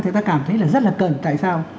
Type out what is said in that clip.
thì ta cảm thấy là rất là cần tại sao